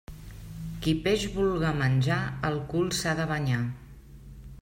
Qui peix vulga menjar, el cul s'ha de banyar.